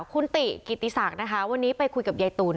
คุณติกิติศักดิ์นะคะวันนี้ไปคุยกับยายตูน